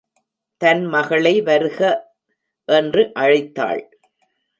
தன்மகளை வருக என்று அழைத்தாள்.